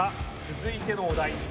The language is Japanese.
続いてのお題